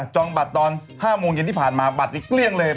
บัตรตอน๕โมงเย็นที่ผ่านมาบัตรนี้เกลี้ยงเลย